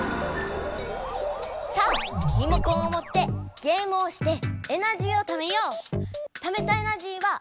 さあリモコンをもってゲームをしてエナジーをためよう！